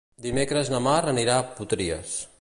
Dimecres na Mar anirà a Potries.